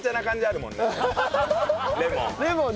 レモンね。